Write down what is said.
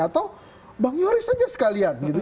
atau bang yoris aja sekalian gitu